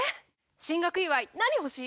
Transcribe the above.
進学祝い何欲しい？